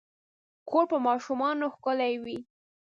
کور په ماشومانو ښکلے وي